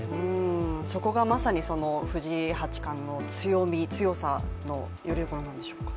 そこがまさに藤井八冠の強み、強さによるところなんでしょうか。